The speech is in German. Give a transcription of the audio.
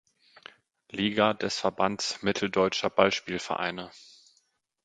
Liga des Verbands Mitteldeutscher Ballspiel-Vereine.